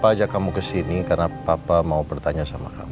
papa ajak kamu kesini karena papa mau bertanya sama kamu